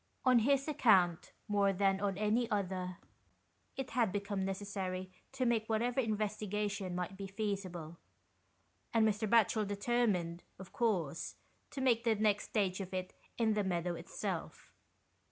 On his account, more than on any other, it had become necessary to make whatever investigation might be feasible, and Mr. Batchel determined, of course, to make the next stage of it in the meadow itself.